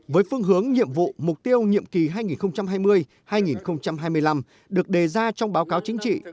với phương hướng nhiệm vụ mục tiêu nhiệm kỳ hai nghìn hai mươi hai nghìn hai mươi năm được đề ra trong báo cáo chính trị